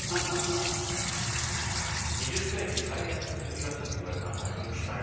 ２０世紀最大の物理学者といわれたアインシュタイン。